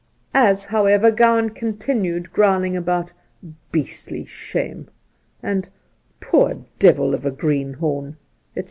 As, however, Gowan continued growling about ' beastly shame ' and 'poor devil of a greenhorn,' etc.